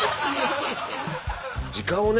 時間をね